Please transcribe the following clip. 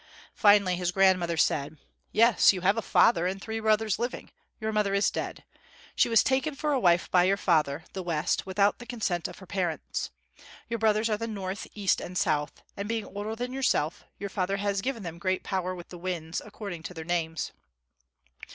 Finally his grandmother said: "Yes, you have a father and three brothers living. Your mother is dead. She was taken for a wife by your father, the West, without the consent of her parents. Your brothers are the North, East, and South; and being older than yourself, your father has given them great power with the winds, according to their names.